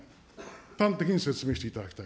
端的に説明していただきたい。